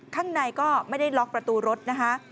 ข้างในก็ไม่ได้ล็อกประตูรถนะคะ